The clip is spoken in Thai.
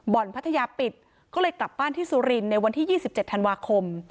บ่อนพัทยาปิดก็เลยกลับบ้านที่สุรินทร์ในวันที่ยี่สิบเจ็ดธันวาคม